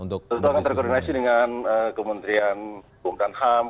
terkorenasikan dengan kementerian kebunan ham